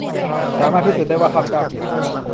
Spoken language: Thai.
สามารถพิสูจน์ได้ว่า ข้าพเจ้าผิด